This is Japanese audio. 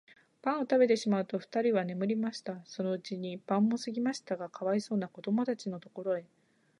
パンをたべてしまうと、ふたりは眠りました。そのうちに晩もすぎましたが、かわいそうなこどもたちのところへ、